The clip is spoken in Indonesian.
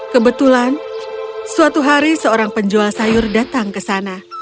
kebetulan suatu hari seorang penjual sayur datang ke sana